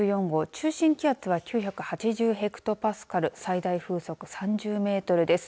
中心気圧は９８０ヘクトパスカル最大風速３０メートルです。